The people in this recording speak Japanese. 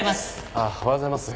ああおはようございます。